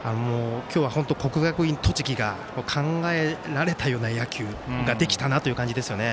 今日は本当に国学院栃木が考えられたような野球ができたなという感じですよね。